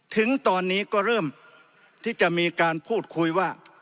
ถึงตอนนี้ก็เริ่มที่จะมีการพูดคุยว่า